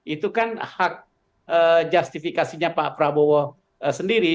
itu kan hak justifikasinya pak prabowo sendiri